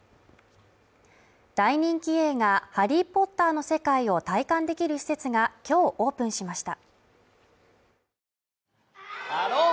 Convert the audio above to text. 大人気映画「ハリー・ポッター」の世界を体感できる施設が今日オープンしました。